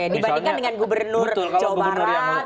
dibandingkan dengan gubernur jawa barat